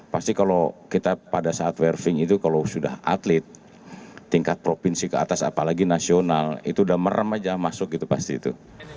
pasti kalau kita pada saat werfing itu kalau sudah atlet tingkat provinsi ke atas apalagi nasional itu udah merem aja masuk gitu pasti itu